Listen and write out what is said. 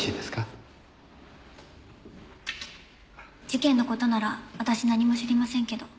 事件の事なら私何も知りませんけど。